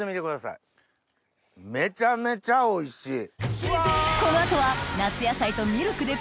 めちゃめちゃおいしい！